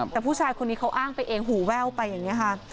แต่ผู้ชายคนนี้เขาอ้างไปเองหูแว่วไปอย่างนี้ค่ะ